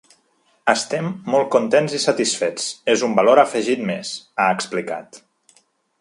“Estem molt contents i satisfets, és un valor afegit més”, ha explicat.